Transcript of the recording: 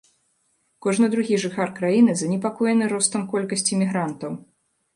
Кожны другі жыхар краіны занепакоены ростам колькасці мігрантаў.